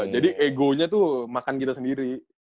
jadi egonya tuh makan kita sendiri